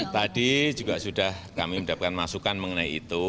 tadi juga sudah kami mendapatkan masukan mengenai itu